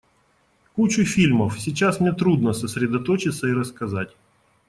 Кучу фильмов — сейчас мне трудно сосредоточиться и рассказать.